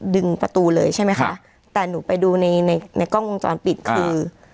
ดึงประตูเลยใช่ไหมคะแต่หนูไปดูในในกล้องวงจรปิดคือ